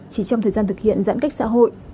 chỉ trong thời gian thực hiện giãn cách xã hội